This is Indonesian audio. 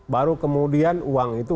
baru kemudian uang itu